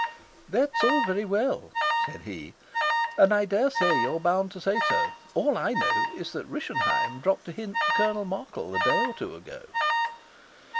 "That's all very well," said he, "and I dare say you're bound to say so. All I know is that Rischenheim dropped a hint to Colonel Markel a day or two ago."